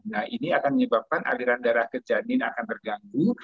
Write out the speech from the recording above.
nah ini akan menyebabkan aliran darah ke janin akan terganggu